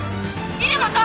入間さん！